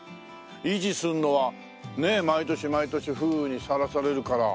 維持するのはねえ毎年毎年風雨にさらされるから。